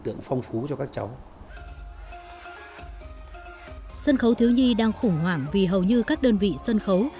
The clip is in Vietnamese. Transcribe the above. tượng phong phú cho các cháu sân khấu thiếu nhi đang khủng hoảng vì hầu như các đơn vị sân khấu